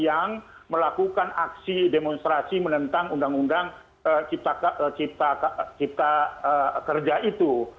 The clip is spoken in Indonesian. yang melakukan aksi demonstrasi menentang undang undang cipta kerja itu